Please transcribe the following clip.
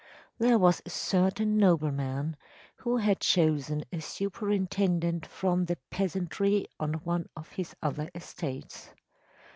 There was a certain nobleman who had chosen a superintendent from the peasantry on one of his other estates.